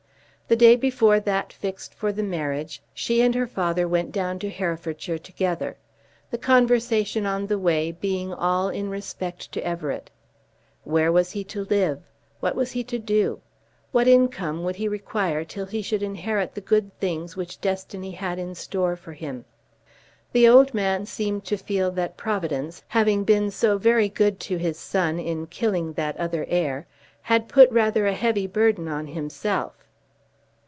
The day before that fixed for the marriage she and her father went down to Herefordshire together, the conversation on the way being all in respect to Everett. Where was he to live? What was he to do? What income would he require till he should inherit the good things which destiny had in store for him? The old man seemed to feel that Providence, having been so very good to his son in killing that other heir, had put rather a heavy burden on himself.